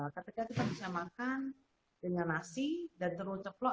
ketika kita bisa makan dengan nasi dan teruncuk